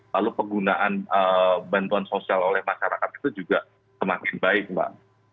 lalu penggunaan bantuan sosial oleh masyarakat itu juga semakin baik mbak